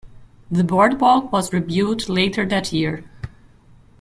The boardwalk was rebuilt later that year.